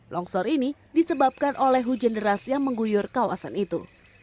longsor ini disebabkan oleh hujan deras yang mengguyur kawasan itu